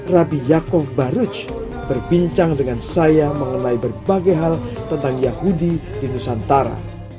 rabi yaakov baruj berbincang dengan saya mengenai berbagai hal tentang yahudi di nusantara